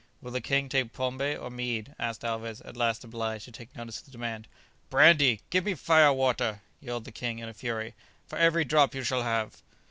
"Will the king take pombé or mead?" asked Alvez, at last obliged to take notice of the demand. "Brandy! give me fire water!" yelled the king, in a fury. "For every drop you shall have